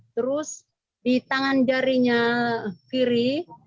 terus di tangan jarinya kiri